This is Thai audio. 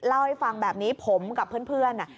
เล่าให้ฟังแบบนี้ผมกับเพื่อน